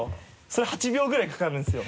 それ８秒ぐらいかかるんですよ。